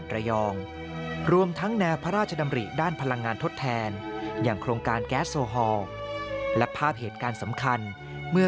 พระบอรมิศชาญาลักษณ์พระบาทสมเด็จพระปรมินทรรภ์มหาผู้มิพลอดุลยเด